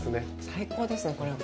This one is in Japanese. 最高ですね、これ。